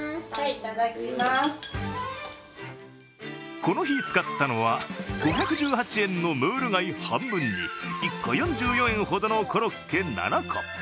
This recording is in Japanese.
この日使ったのは、５１８円のムール貝半分に１個４４円ほどのコロッケ７個。